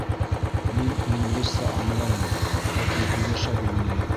Мин инглизсә аңлайым, ләкин һөйләшә белмәйем